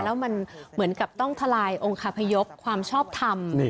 แล้วมันเหมือนกับต้องทลายองคาพยพความชอบทำ